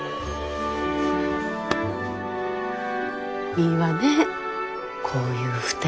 いいわねこういう２人。